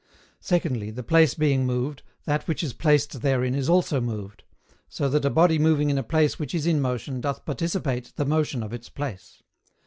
Secondly, the place being moved, that which is placed therein is also moved; so that a body moving in a place which is in motion doth participate the motion of its place.